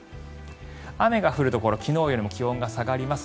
雨が降るところ昨日よりも気温が下がります。